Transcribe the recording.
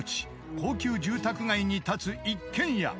高級住宅街に立つ一軒家］